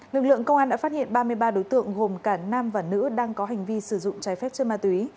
lực lượng công an đã phát hiện ba mươi ba đối tượng gồm cả nam và nữ đang có hành vi sử dụng trái phép chân ma túy